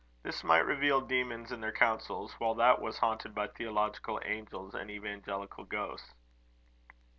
This might reveal demons and their counsels, while that was haunted by theological angels and evangelical ghosts."